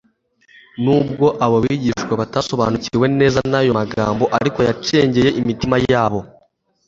Nubwo abo bigishwa batasobanukiwe neza n'ayo magambo, ariko yacengcye imitima yabo.